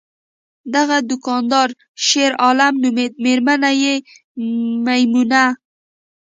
دغه دوکاندار شیرعالم نومیده، میرمن یې میمونه!